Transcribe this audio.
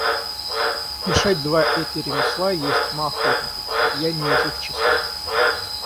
Мешать два эти ремесла есть тьма охотников, я не из их числа.